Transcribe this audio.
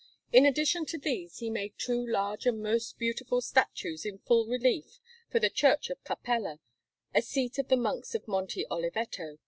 In addition to these, he made two large and most beautiful statues in full relief for the Church of Capella, a seat of the Monks of Monte Oliveto.